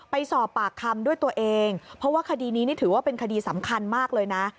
ไปสอบปากคำด้วยตัวเองเพราะว่าคดีนี้นี่ถือว่าเป็นคดีสำคัญมากเลยนะ